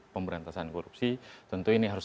pemberantasan korupsi tentu ini harus